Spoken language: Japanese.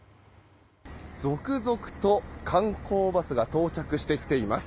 続々と観光バスが到着してきています。